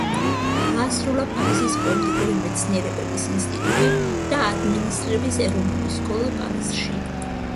დაასრულა პარიზის პოლიტიკური მეცნიერებების ინსტიტუტი და ადმინისტრირების ეროვნული სკოლა პარიზში.